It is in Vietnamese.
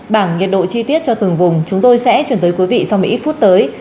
bảng nhiệt độ chi tiết cho từng vùng chúng tôi sẽ chuyển tới quý vị sau mấy phút tới